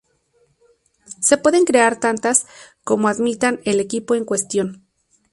Se pueden crear tantas como admita el equipo en cuestión.